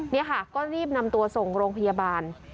นี่ค่ะก็รีบนำตัวส่งโรงพยาบาล